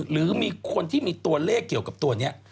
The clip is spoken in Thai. หรือมีคนที่มีตัวเลขเกี่ยวกับตัวนี้